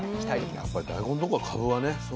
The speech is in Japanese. やっぱり大根とかかぶはね